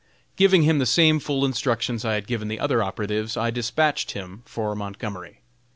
Giving him the same full instructions I had given the other operatives, I despatched him for Montgomery.